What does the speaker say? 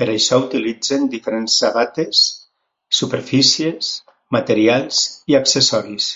Per això utilitzen diferents sabates, superfícies, materials i accessoris.